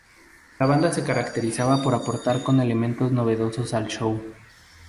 La banda se caracterizaba por aportar con elementos novedosos al show.